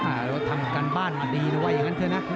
อ้ายโน่ท่่าวทำกรรมบ้านมาดีด้วยอย่างนั้นเถอะนะ